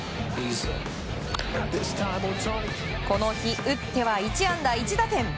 この日、打っては１安打１打点。